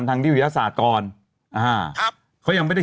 มันจะไขข้อสงสัยอยู่ไงพี่